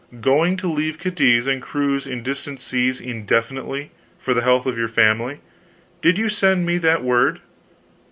" going to leave Cadiz and cruise in distant seas indefinitely, for the health of your family? Did you send me that word?"